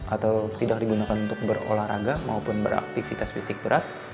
atau tidak digunakan untuk berolahraga maupun beraktivitas fisik berat